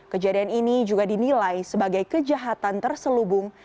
kejadian ini juga dinilai sebagai kejahatan terselubung